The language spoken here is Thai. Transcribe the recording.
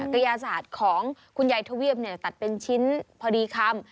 กระยาศาสตร์ของคุณยายทวีบตัดเป็นชิ้นพอดีคำ